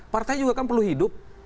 partai juga kan perlu hidup